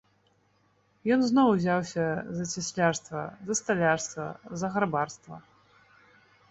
Ён зноў узяўся за цяслярства, за сталярства, за грабарства.